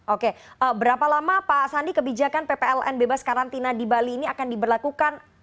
oke berapa lama pak sandi kebijakan ppln bebas karantina di bali ini akan diberlakukan